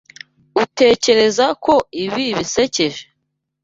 Utekereza ko ibi bisekeje?